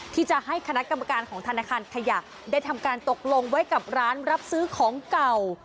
ที่จะให้คณะกรรมการของธนาคารขยะได้ทำการตกลงไว้กับร้านรับซื้อของเก่า